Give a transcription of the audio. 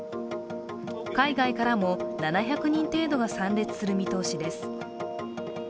海外からも７００人程度が参列する見通しです。